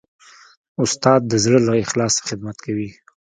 استاد د زړه له اخلاصه خدمت کوي.